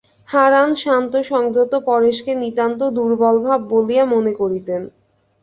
হারান শান্ত সংযত পরেশকে নিতান্ত দুর্বলস্বভাব বলিয়া মনে করিতেন।